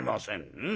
うん。